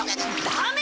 ダメ！